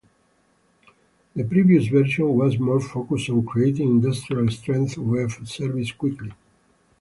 The previous version was more focused on creating industrial-strength web services quickly.